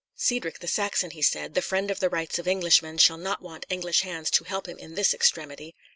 "Cedric the Saxon," he said, "the friend of the rights of Englishmen, shall not want English hands to help him in this extremity.